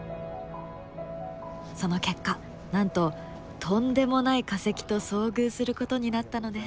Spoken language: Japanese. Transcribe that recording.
その結果なんととんでもない化石と遭遇することになったのです。